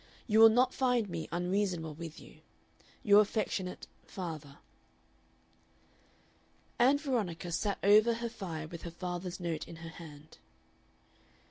You will not find me unreasonable with you. "Your affectionate "FATHER." Ann Veronica sat over her fire with her father's note in her hand.